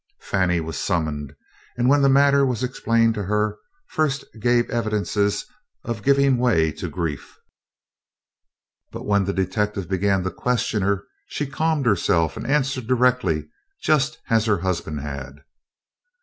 Fannie was summoned, and when the matter was explained to her, first gave evidences of giving way to grief, but when the detective began to question her, she calmed herself and answered directly just as her husband had.